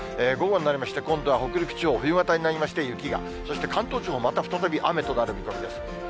午後になりまして、今度は北陸地方、冬型になりまして雪が、そして関東地方、また再び雨となる見込みです。